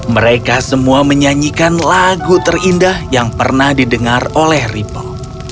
mereka semua menyanyikan lagu terindah yang pernah didengar oleh ripple